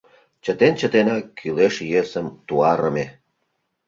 Чытен чытенак кӱлеш йӧсым туарыме.